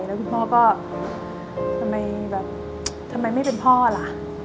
แล้วคุณพ่อก็ทำไมไม่เป็นพ่อล่ะ